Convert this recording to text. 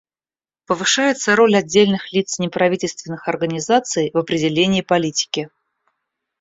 Повышается роль отдельных лиц и неправительственных организаций в определении политики.